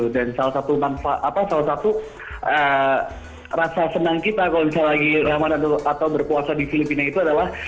dan salah satu rasa senang kita kalau misalnya lagi ramadan atau berpuasa di filipina itu adalah